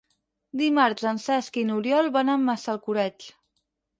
Dimarts en Cesc i n'Oriol van a Massalcoreig.